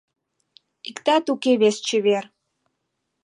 Иктат уке вес чевер.